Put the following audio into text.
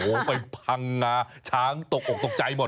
โอ้โหไปพังงาช้างตกออกตกใจหมด